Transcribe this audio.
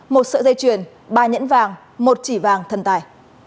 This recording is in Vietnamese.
một sợi dây chuyền ba nhẫn vàng một chỉ vàng thần tài